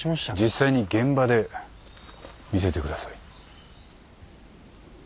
実際に現場で見せてください。